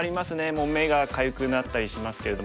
もう目がかゆくなったりしますけども。